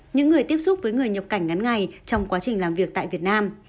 những người tiếp xúc với người nhập cảnh ngắn ngày trong quá trình làm việc tại việt nam